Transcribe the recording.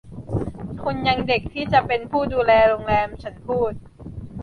คุณยังเด็กที่จะเป็นผู้ดูแลโรงแรม” ฉันพูด